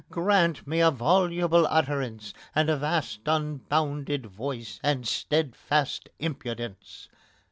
Grant me a voluble utterance, and a vast Unbounded voice, and steadfast impudence!